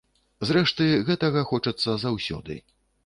Зрэшты, гэтага хочацца заўсёды.